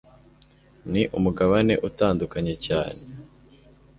ni umugabane utandukanye cyane